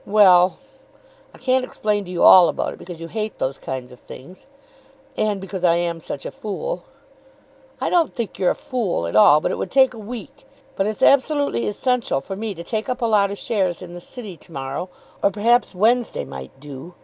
"Well; I can't explain to you all about it, because you hate those kinds of things." "And because I am such a fool." "I don't think you're a fool at all, but it would take a week. But it's absolutely essential for me to take up a lot of shares in the city to morrow; or perhaps Wednesday might do.